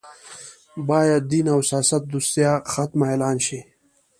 باید دین او سیاست دوسیه ختمه اعلان شي